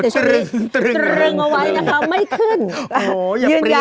แต่ชนิดนี้ยังตรึงตรึงเอาไว้นะคะไม่ขึ้นโอ้อย่าเปรี้ยวนะฮะ